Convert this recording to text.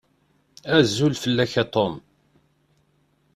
Azul fell-ak a Tom.